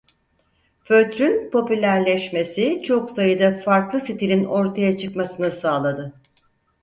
Fötrün popülerleşmesi çok sayıda farklı stilin ortaya çıkmasını sağladı.